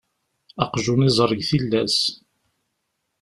Aqjun iẓerr deg tillas.